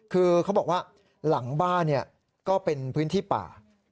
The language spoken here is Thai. คือเขาบอกว่าหลังบ้านก็เป็นพื้นที่ป่า